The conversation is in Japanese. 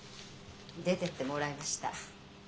出てってもらいました。